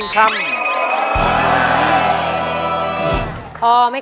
ช่วย